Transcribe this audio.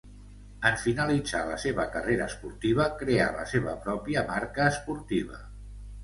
En finalitzar la seva carrera esportiva creà la seva pròpia marca esportiva.